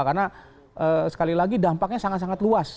karena sekali lagi dampaknya sangat sangat luas